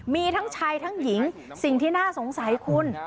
มีทั้งชายทั้งหญิงสิ่งที่น่าสงสัยคุณ